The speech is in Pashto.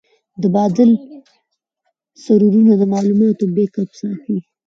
د بادل سرورونه د معلوماتو بیک اپ ساتي.